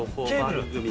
ケーブル？